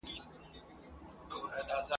د بې ساري واک احساس را منځته کوي